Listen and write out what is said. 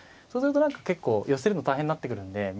そうすると何か結構寄せるの大変になってくるんで。